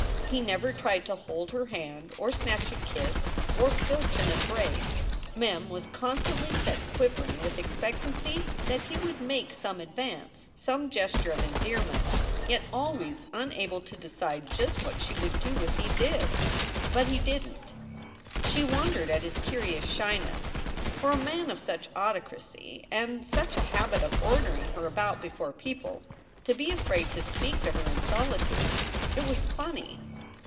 He never tried to hold her hand or snatch a kiss or filch an embrace. Mem was constantly set quivering with expectancy that he would make some advance, some gesture of endearment, yet always unable to decide just what she would do if he did. But he didn t. She wondered at his curious shyness. For a man of such autocracy and such a habit of ordering her about before people, to be afraid to speak to her in solitude it was funny.